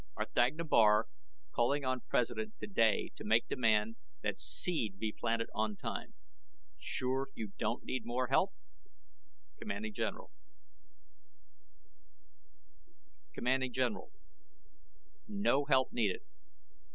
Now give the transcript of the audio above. R'THAGNA BAR CALLING ON PRESIDENT TODAY TO MAKE DEMAND THAT SEED BE PLANTED ON TIME. SURE YOU DON'T NEED MORE HELP? CMD GENERAL CMD GENERAL NO HELP NEEDED.